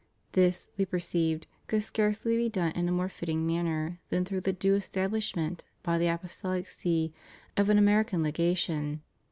This, We perceived, could scarcely be done in a more fitting manner than through the due establishment by the Apostolic See of an American Legation.